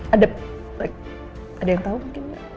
ada yang tau mungkin gak